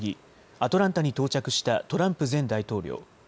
アトランタに到着したトランプ前大統領。